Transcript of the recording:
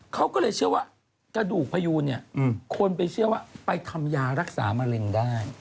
เขาก็เลยเชื่อว่ากระดูกพยูนเนี่ยคนไปเชื่อว่าไปทำยารักษามะเร็งได้